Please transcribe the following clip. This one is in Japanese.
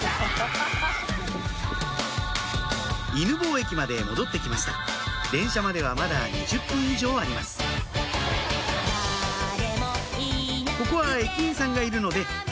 犬吠駅まで戻って来ました電車まではまだ２０分以上あります